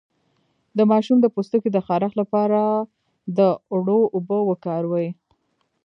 د ماشوم د پوستکي د خارښ لپاره د اوړو اوبه وکاروئ